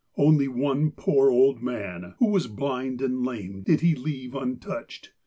Only one poor old man, who was blind and lame, did he leave untouched.